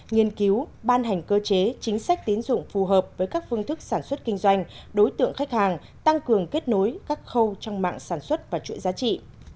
nghiên cứu ban hành cơ chế chính sách tín dụng phù hợp với các phương thức sản xuất kinh doanh đối tượng khách hàng tăng cường kết nối các khâu trong mạng sản xuất và chuỗi giá trị